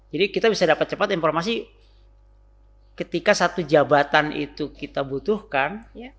jadi kita bisa dapat cepat informasi ketika satu jabatan itu kita butuhkan